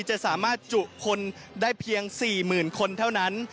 จะสามารถจุคนได้เพียง๔๐๐๐คนเท่านั้น